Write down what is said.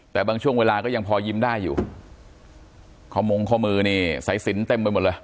แต่บางช่วงเวลาก็ยังพอยิ้มได้อยู่ข้อมงข้อมือนี่สายสินเต็มไปหมดเลย